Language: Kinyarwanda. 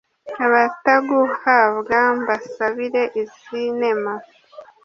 abataguhabwa mbasabire, izi nema